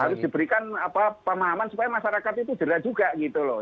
nah ini harus diberikan pemahaman supaya masyarakat itu jelas juga gitu loh